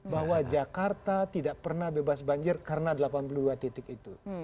bahwa jakarta tidak pernah bebas banjir karena delapan puluh dua titik itu